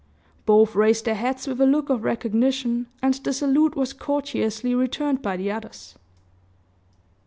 Both raised their hats with a look of recognition, and the salute was courteously returned by the others.